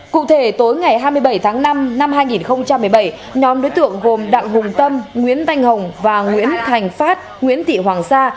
cụ thể tối ngày hai mươi bảy tháng năm năm hai nghìn một mươi bảy nhóm đối tượng gồm đặng hùng tâm nguyễn văn hồng và nguyễn thành phát nguyễn thị hoàng sa